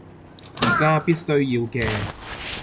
而家必須要嘅